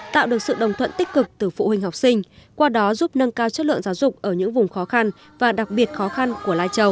tạo được sự đồng thuận tích cực từ phụ huynh học sinh qua đó giúp nâng cao chất lượng giáo dục ở những vùng khó khăn và đặc biệt khó khăn của lai châu